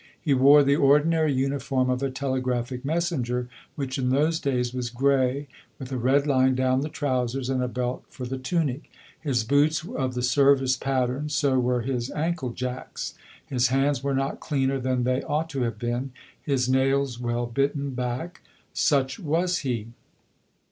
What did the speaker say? He wore the ordinary uniform of a telegraphic messenger, which in those days was grey, with a red line down the trousers and a belt for the tunic. His boots were of the service pattern, so were his ankle jacks. His hands were not cleaner than they ought to have been, his nails well bitten back. Such was he.